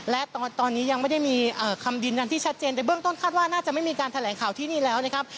และตอนนี้ยังไม่ได้มีคำยืนยันที่ชัดเจนแต่เบื้องต้นคาดว่าน่าจะไม่มีการแถลงข่าวที่นี่แล้วนะครับ